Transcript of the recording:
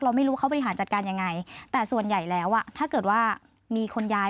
ไม่รู้เขาบริหารจัดการยังไงแต่ส่วนใหญ่แล้วอ่ะถ้าเกิดว่ามีคนย้าย